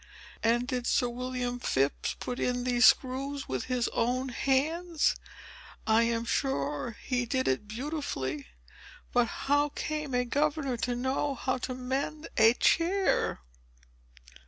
"And did Sir William Phips put in these screws with his own hands? I am sure, he did it beautifully! But how came a governor to know how to mend a chair?"